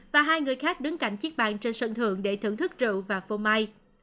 và hai người khác đứng cạnh chiếc bàn trên sân thượng để thưởng thức rượu và phô mai